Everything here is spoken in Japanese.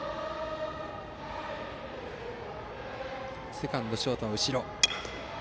セカンド、ショートは後ろ。